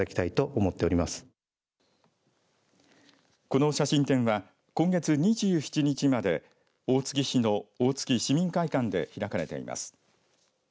この写真展は、今月２７日まで大月市の大月市民会館で開かれています。